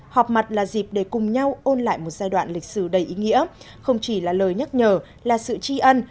họp mặt là dịp để cùng nhau ôn lại một giai đoạn lịch sử đầy ý nghĩa không chỉ là lời nhắc nhở là sự tri ân